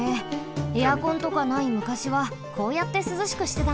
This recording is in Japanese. エアコンとかないむかしはこうやってすずしくしてたのか。